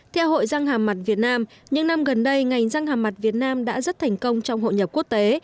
theo hội răng hàm mặt việt nam những năm gần đây ngành răng hàm mặt việt nam đã rất thành công trong hội nhập quốc tế